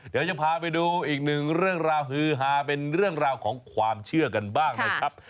เดี๋ยวจะพาไปดูอีกหนึ่งเรื่องราวฮือฮาเป็นเรื่องราวของความเชื่อกันบ้างนะครับ